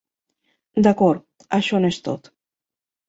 D'acord, això no és tot.